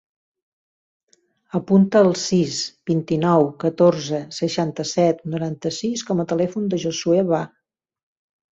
Apunta el sis, vint-i-nou, catorze, seixanta-set, noranta-sis com a telèfon del Josuè Bah.